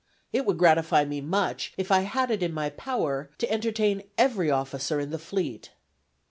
It would gratify me much, if I had it in my power, to entertain every officer in the fleet."